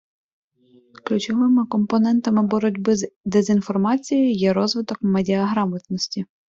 Ключовими компонентами боротьби з дезінформацією є – розвиток медіаграмотності.